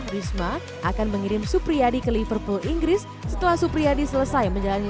risma akan mengirim supriyadi ke liverpool inggris setelah supriyadi selesai menjalani